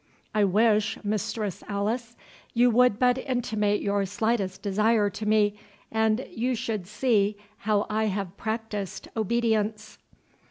I wish, Mistress Alice, you would but intimate your slightest desire to me, and you should see how I have practised obedience."